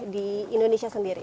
di indonesia sendiri